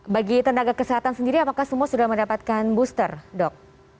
bagi tenaga kesehatan sendiri apakah semua sudah mendapatkan booster dok